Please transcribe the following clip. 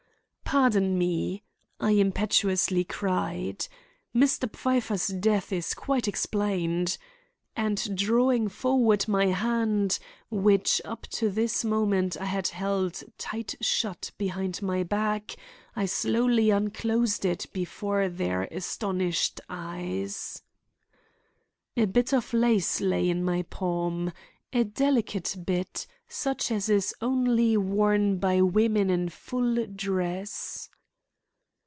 "Pardon me," I impetuously cried. "Mr. Pfeiffer's death is quite explained." And, drawing forward my hand, which up to this moment I had held tight shut behind my back, I slowly unclosed it before their astonished eyes. A bit of lace lay in my palm, a delicate bit, such as is only worn by women in full dress.